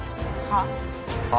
はっ？